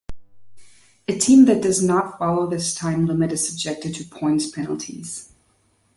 A team that does not follow this time limit is subjected to points penalties.